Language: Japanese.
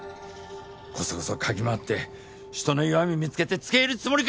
こそこそ嗅ぎ回って人の弱み見つけてつけいるつもりか？